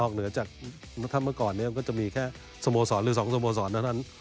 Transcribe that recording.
เหนือจากถ้าเมื่อก่อนก็จะมีแค่สโมสรหรือ๒สโมสรเท่านั้น